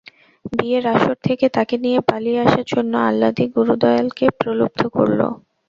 বিয়ের আসর থেকে তাকে নিয়ে পালিয়ে আসার জন্য আহ্লাদী গুরুদয়ালকে প্রলুব্ধ করল।